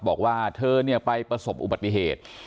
บอกว่าเธอไปประสบอุบัติเหตุ